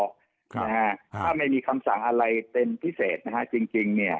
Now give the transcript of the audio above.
ถ้าไม่มีคำสั่งอะไรเป็นพิเศษนะฮะจริงเนี่ย